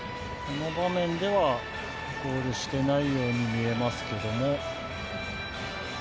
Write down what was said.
この画面ではゴールしてないように見えますけども。